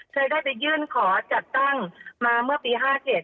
เคยได้ไปยื่นขอจัดตั้งมาเมื่อปี๕๗